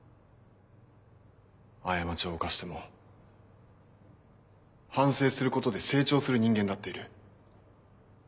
過ちを犯しても反省することで成長する人間だっている。